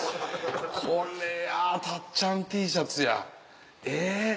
これやたっちゃんＴシャツやえぇ。